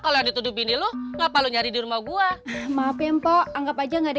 kalau dituduh bini lu ngapa lu nyari di rumah gua maafin po anggap aja nggak ada